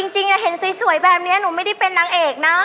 จริงเห็นสวยแบบนี้หนูไม่ได้เป็นนางเอกนะ